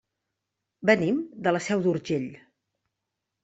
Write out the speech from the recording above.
Venim de la Seu d'Urgell.